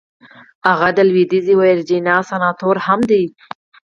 هغه د لويديځې ويرجينيا سناتور هم دی.